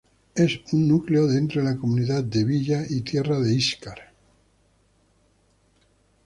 Es un núcleo dentro de la Comunidad de Villa y Tierra de Íscar.